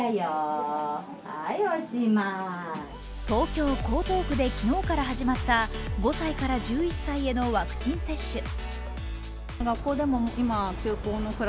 東京・江東区で昨日から始まった５歳から１１歳へのワクチン接種。